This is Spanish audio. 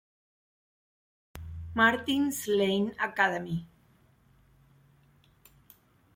Martin's Lane Academy".